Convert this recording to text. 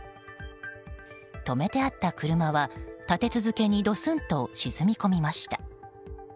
止めてあった車は立て続けにドスンと沈み込みました。